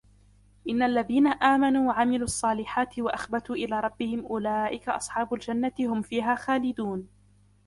إن الذين آمنوا وعملوا الصالحات وأخبتوا إلى ربهم أولئك أصحاب الجنة هم فيها خالدون